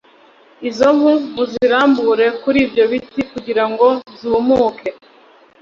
izo mpu mu zirambure kuri ibyo biti kugirango zumuke